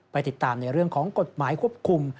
ไปติดตามในเรื่องของกฎหมายควบคุม